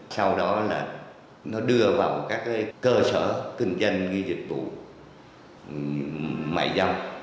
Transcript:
sau đó là nó đưa vào các cái cơ sở kinh doanh ghi dịch vụ mại dông